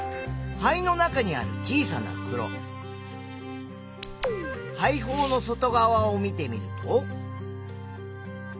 肺の中にある小さなふくろ肺胞の外側を見てみると。